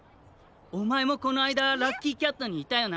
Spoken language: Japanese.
おまえもこのあいだラッキーキャットにいたよな。